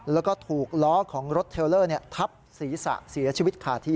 แล้วก็ถูกล้อของรถเทลเลอร์ทับศีรษะเสียชีวิตขาดที่